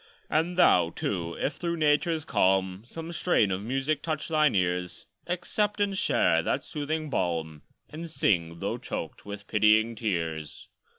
And thou, too: if through Nature's calm Some strain of music touch thine ears, Accept and share that soothing balm, And sing, though choked with pitying tears.